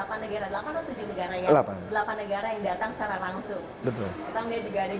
bagaimana indonesia dalam memegang presidensi pemerintah ini